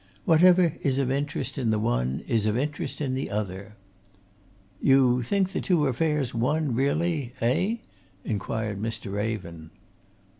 Whatever is of interest in the one is of interest in the other." "You think the two affairs one really eh?" inquired Mr. Raven.